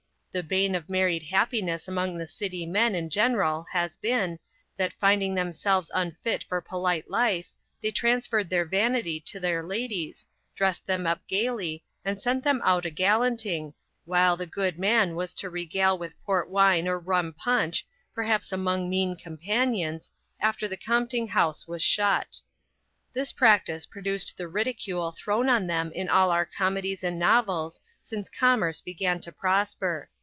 The bane of married happiness among the city men in general has been, that finding themselves unfit for polite life, they transferred their vanity to their ladies, dressed them up gaily, and sent them out a gallanting, while the good man was to regale with port wine or rum punch, perhaps among mean companions, after the compting house was shut. This practice produced the ridicule thrown on them in all our comedies and novels since commerce began to prosper.